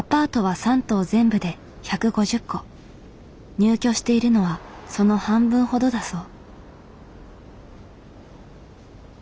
入居しているのはその半分ほどだそう。